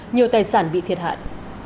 nhiều tài sản bị thiệt hại